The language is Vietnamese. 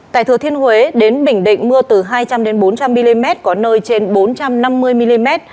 tại thừa thiên huế đến bình định mưa từ hai trăm linh bốn trăm linh mm có nơi trên bốn trăm năm mươi mm